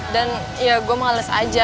dan ya gue males aja